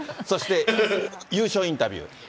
そして、優勝インタビュー。